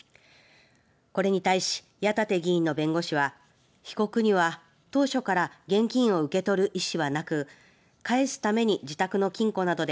これに対し矢立議員の弁護士は被告には当初から現金を受け取る意思はなく返すために自宅の金庫などで